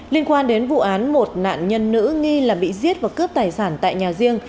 liên quan đến vụ án một nạn nhân nữ nghi là bị giết và cướp tài sản tại nhà riêng